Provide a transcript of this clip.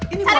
ini buat apa